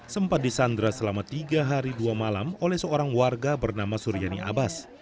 sempat di sandra selama tiga hari dua malam oleh seorang warga bernama suriani abas